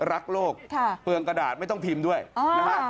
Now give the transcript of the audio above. รักโลกเปลืองกระดาษไม่ต้องพิมพ์ด้วยนะฮะ